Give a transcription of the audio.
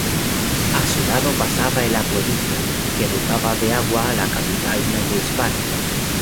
A su lado pasaba el acueducto que dotaba de agua a la capital novohispana.